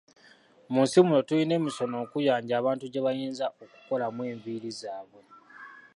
Mu nsi muno tulina emisono nkuyanja abantu gye bayinza okukolamu enviiri zaabwe.